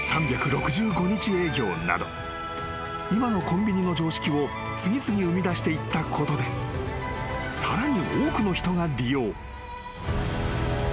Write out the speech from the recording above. ［今のコンビニの常識を次々生みだしていったことでさらに多くの人が利用］